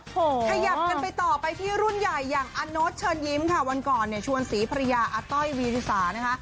ขยับกันไปต่อไปที่รุ่นใหญ่อย่างอาโน๊ตเชิญยิ้มค่ะวันก่อนเนี่ยชวนศรีภรรยาอาต้อยวีริสานะคะ